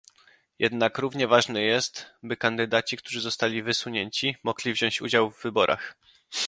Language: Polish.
Jednak równie ważne jest, by kandydaci, którzy zostali wysunięci, mogli wziąć udział w wyborach